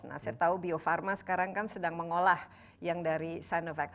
nah saya tahu bio farma sekarang kan sedang mengolah yang dari sinovac